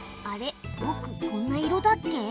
あれぼくこんな色だっけ？